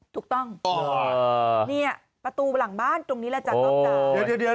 ถูกต้องเนี่ยประตูหลังบ้านตรงนี้แหละจัดรอบต่างเดี๋ยว